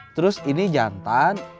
terus ini jantan